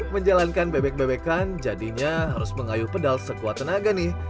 menjalankan bebek bebekan jadinya harus mengayuh pedal sekuat tenaga nih